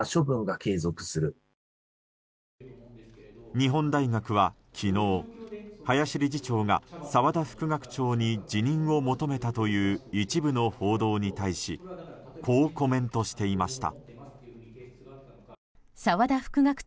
日本大学は昨日林理事長が澤田副学長に辞任を求めたという一部の報道に対しこうコメントしていました。